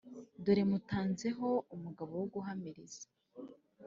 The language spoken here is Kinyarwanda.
Dore mutanze ho umugabo wo guhamiriza